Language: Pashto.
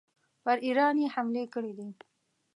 پر ایران یې حملې کړي دي.